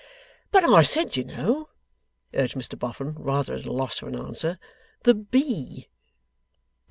'But I said, you know,' urged Mr Boffin, rather at a loss for an answer, 'the bee.